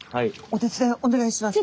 お手伝いお願いします。